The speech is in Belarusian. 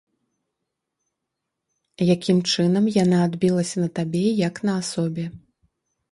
Якім чынам яна адбілася на табе як на асобе?